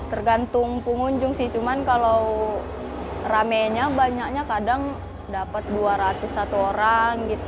tergantung pengunjung sih cuman kalo ramenya banyaknya kadang dapet dua ratus satu orang gitu